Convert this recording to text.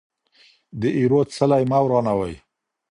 د ايرو څلی مه ورانوئ.